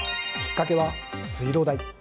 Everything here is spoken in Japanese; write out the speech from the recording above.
きっかけは水道代。